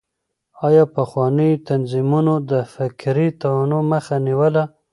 آيا پخوانيو تنظيمونو د فکري تنوع مخه نيوله؟